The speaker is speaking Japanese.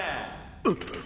あっ。